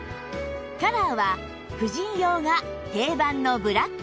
カラーは婦人用が定番のブラック